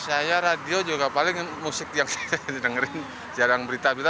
saya radio juga paling musik yang saya dengerin jarang berita berita